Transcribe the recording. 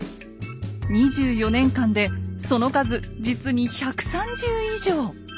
２４年間でその数実に１３０以上。